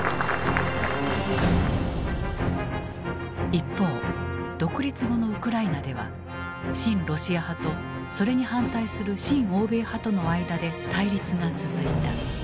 一方独立後のウクライナでは親ロシア派とそれに反対する親欧米派との間で対立が続いた。